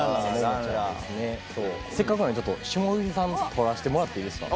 せっかくなんで霜降りさん撮らせてもらってもいいですか？